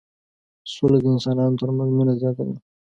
سوله د انسانانو ترمنځ مينه زياتوي.